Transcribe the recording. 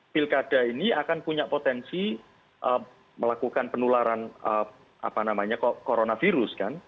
pilkada ini akan punya potensi melakukan penularan coronavirus kan